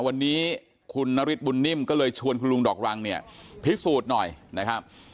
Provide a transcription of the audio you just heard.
วันนี้คุณนฤทธบุญนิ่มก็เลยชวนคุณลุงดอกรังเนี่ยพิสูจน์หน่อยนะครับ